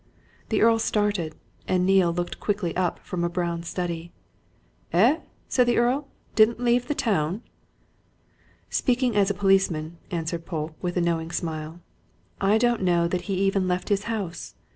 The Earl started, and Neale looked quickly up from a brown study. "Eh?" said the Earl. "Didn't leave the town?" "Speaking as a policeman," answered Polke, with a knowing smile, "I don't know that he even left his house.